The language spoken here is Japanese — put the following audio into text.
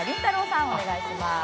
さんお願いします。